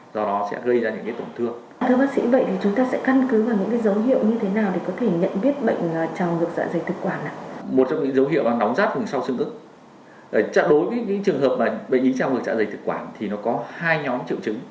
đối với bệnh trào ngược dạ dày thực quản thì nó có hai nhóm triệu chứng